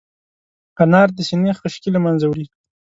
انار د سينې خشکي له منځه وړي.